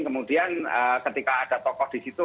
kemudian ketika ada tokoh di situ